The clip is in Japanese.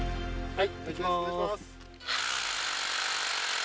はい。